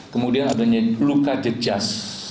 kemudian adanya luka jejaz